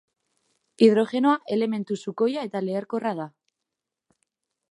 Hidrogenoa elementu sukoia eta leherkorra da.